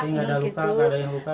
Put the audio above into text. nggak ada luka nggak ada yang luka